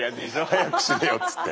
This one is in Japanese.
早く死ねよっつって。